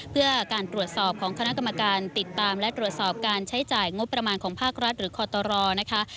เพื่อการตรวจสอบของคณะกรรมการติดตามและตรวจสอบการใช้จ่ายงบประมาณของภาครัฐหรือคอตรนะคะ